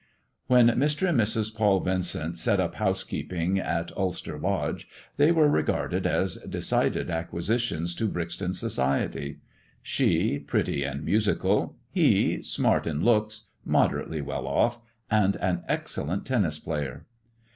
252 THE GREEN STONE GOD AND THE STOCKBROKER When Mr. and Mrs. Paul Vincent set up honsekeeping at Ulster Lodge they were regarded as decided acquisitions to Brixton society. She, pretty and musical; he, smart in looks, moderately well off, and an excellent tennis player.